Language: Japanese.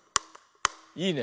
いいね。